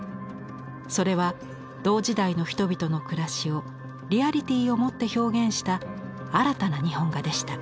それは同時代の人々の暮らしをリアリティーをもって表現した新たな日本画でした。